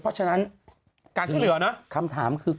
เพราะฉะนั้นคำถามคือ